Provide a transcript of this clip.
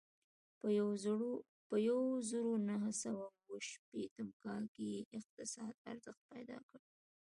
په یوه زرو نهه سوه اوه شپېتم کال کې یې اقتصاد ارزښت پیدا کړ.